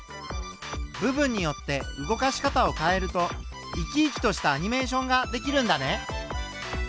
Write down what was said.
部分によって動かし方を変えると生き生きとしたアニメーションが出来るんだね。